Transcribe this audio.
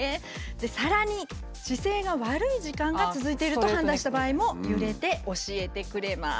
でさらに「姿勢が悪い時間が続いている」と判断した場合も揺れて教えてくれます。